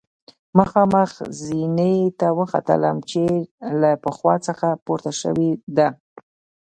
مخامخ زینې ته وختلم چې له پخوا څخه پورته شوې ده.